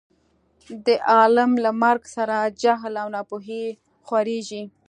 د عالم له مرګ سره جهل او نا پوهي خورېږي.